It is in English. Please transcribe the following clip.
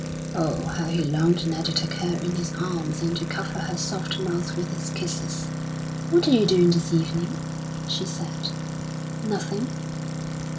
Oh, how he longed now to take her in his arms and to cover her soft mouth with his kisses! "What are you doing this evening?" she said. "Nothing."